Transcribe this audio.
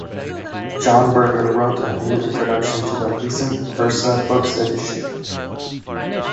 John Berger wrote a new introduction to the recent Verso Books edition.